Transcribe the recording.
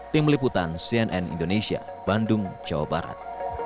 tim liputan cnn indonesia bandung jawa barat